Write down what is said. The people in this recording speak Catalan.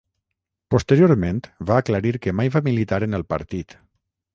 Posteriorment va aclarir que mai va militar en el partit.